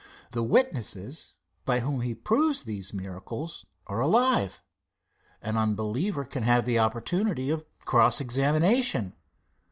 The witnesses by whom he proves these miracles are alive. An unbeliever can have the opportunity of cross examination.